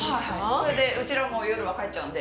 それでうちら夜は帰っちゃうんで。